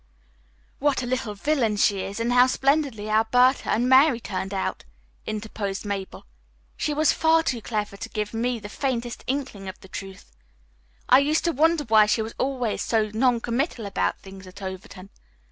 "What a little villain she is, and how splendidly Alberta and Mary turned out," interposed Mabel. "She was far too clever to give me the faintest inkling of the truth. I used to wonder why she was always so noncommittal about things at Overton.